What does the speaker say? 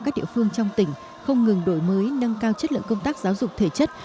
các địa phương trong tỉnh không ngừng đổi mới nâng cao chất lượng công tác giáo dục thể chất